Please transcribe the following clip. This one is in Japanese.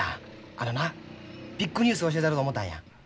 あのなビッグニュース教えたろと思たんや。